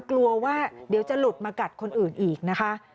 กลัวว่าเดี๋ยวจะหลุดมากัดคนอื่นอีกนะคะ